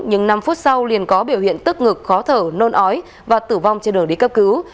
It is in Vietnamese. nhưng năm phút sau liền có biểu hiện tức ngực khó thở nôn ói và tử vong trên đường đi cấp cứu